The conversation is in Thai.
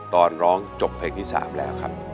ตอนร้องจบเพลงที่๓แล้วครับ